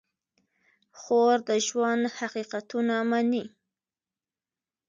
خور د ژوند حقیقتونه مني.